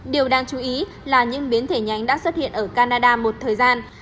điều đáng chú ý là những biến thể nhánh đã xuất hiện ở canada một thời gian